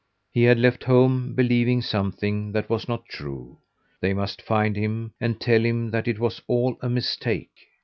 He had left home believing something that was not true. They must find him and tell him that it was all a mistake.